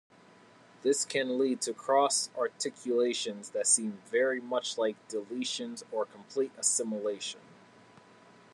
This can lead to cross-articulations that seem very much like deletions or complete assimilation.